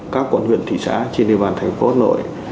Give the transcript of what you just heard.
các quận huyện thị xã trên địa bàn thành phố hà nội